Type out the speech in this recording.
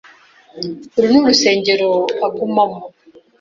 Uru ni urusengero agumamo.